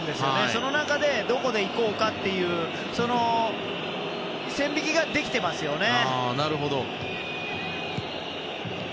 その中で、どこで行こうかというその線引きができていますよね。